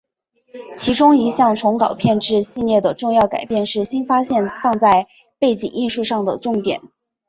其中一项从导片至系列的重要改变是新发现放在背景艺术上的重点。